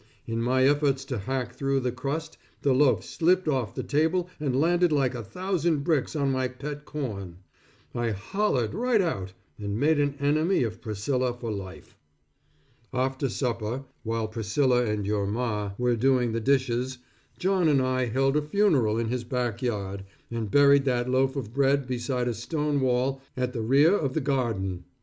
In my efforts to hack through the crust, the loaf slipped off the table and landed like a thousand bricks on my pet corn. I hollered right out, and made an enemy of Priscilla for life. After supper, while Priscilla and your Ma were doing the dishes, John and I held a funeral in his back yard, and buried that loaf of bread beside a stone wall at the rear of the garden.